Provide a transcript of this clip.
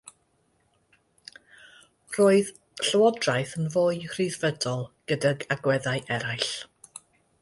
Roedd llywodraeth yn fwy rhyddfrydol gydag agweddau eraill.